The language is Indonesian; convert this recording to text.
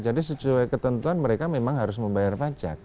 jadi sesuai ketentuan mereka memang harus membayar pajak